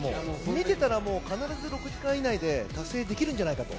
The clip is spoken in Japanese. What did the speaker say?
見てたらもう、必ず６時間以内で達成できるんじゃないかと。